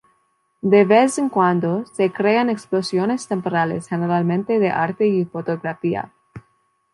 De vez en cuando, se crean exposiciones temporales, generalmente de arte y fotografía.